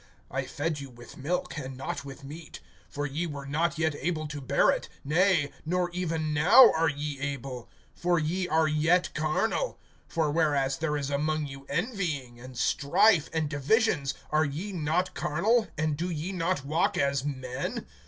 (2)I fed you with milk, and not with meat; for ye were not yet able to bear it; nay, nor even now are ye able. (3)For ye are yet carnal; for whereas there is among you envying, and strife, and divisions, are ye not carnal, and do ye not walk as men?